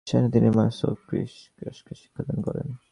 তিনি মার-পা-ছোস-ক্যি-ব্লো-গ্রোসকে শিক্ষাদান করেন।